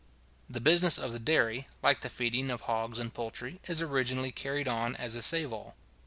The business of the dairy, like the feeding of hogs and poultry, is originally carried on as a save all.